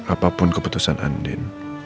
apapun keputusan andin